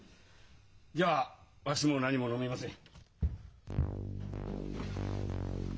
じゃあわしも何も飲みません。